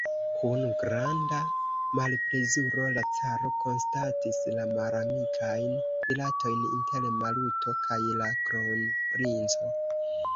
Kun granda malplezuro la caro konstatis la malamikajn rilatojn inter Maluto kaj la kronprinco.